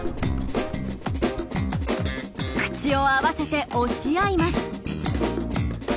口を合わせて押し合います。